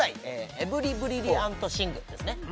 「エブリ・ブリリアント・シング」ですね